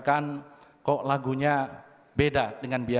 aku ingin bernyanyi